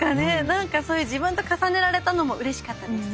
何かそういう自分と重ねられたのもうれしかったです。